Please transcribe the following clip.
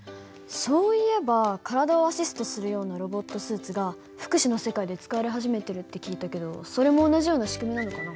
そういえば体をアシストするようなロボットスーツが福祉の世界で使われ始めてるって聞いたけどそれも同じような仕組みなのかな。